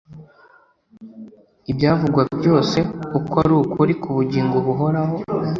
Ibyavugwa byose ko ari ukuri ku bugingo buhoraho